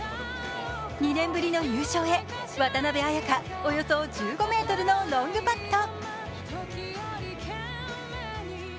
２年ぶりの優勝へ、渡邉彩香、およそ１５ｍのロングパット。